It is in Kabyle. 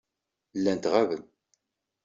Llant ɣaben.